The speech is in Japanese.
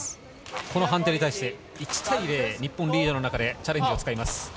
この判定に対して１対０、日本リードの中でチャレンジを使います。